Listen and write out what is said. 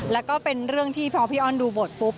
แล้วก็เป็นเรื่องที่พอพี่อ้อนดูบทปุ๊บ